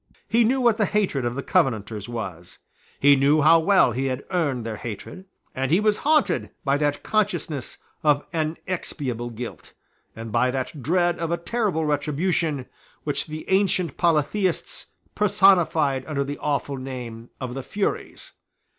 He knew what the hatred of the Covenanters was: he knew how well he had earned their hatred; and he was haunted by that consciousness of inexpiable guilt, and by that dread of a terrible retribution, which the ancient polytheists personified under the awful name of the Furies.